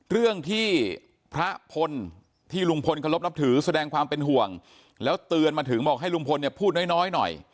เรื่องที่พระพลที่ลุงพลเคารพนับถือแสดงความเป็นห่วงแล้วเตือนมาถึงบอกให้ลุงพลเนี่ยพูดน้อยหน่อย